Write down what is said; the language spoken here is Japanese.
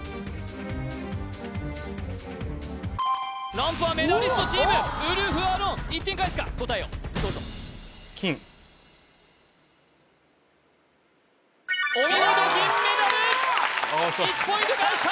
ランプはメダリストチームウルフアロン１点返すか答えをどうぞお見事金メダル１ポイント返した